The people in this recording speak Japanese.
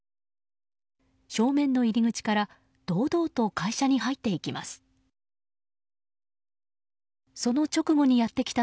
正面の入り口から堂々と会社に入っていきます。